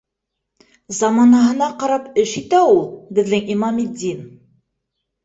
— Заманаһына ҡарап эш итә ул беҙҙең Имаметдин.